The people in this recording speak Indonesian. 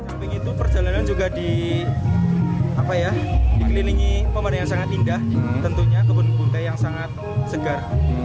sampai begitu perjalanan juga dikelilingi pemerintah yang sangat indah tentunya kebun teh yang sangat segar